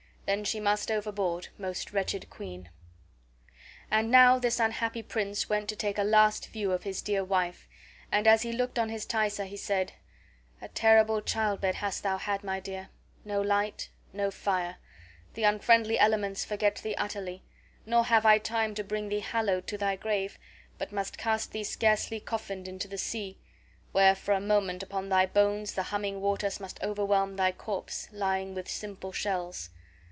Then she must overboard, most wretched queen!" And now this unhappy prince went to take a last view of his dear wife, and as he looked on his Thaisa he said: "A terrible childbed hast thou had, my dear; no light, no fire; the unfriendly elements forget thee utterly, nor have I time to bring thee hallowed to thy grave, but must cast thee scarcely coffined into the sea, where for a monument upon thy bones the humming waters must overwhelm thy corpse, lying with simple shells.